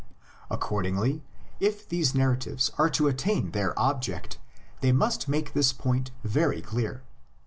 Accord ingly, if these narratives are to attain their object they must make this point very clear.